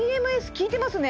きいてますね